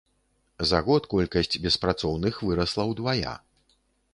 За год колькасць беспрацоўных вырасла ўдвая.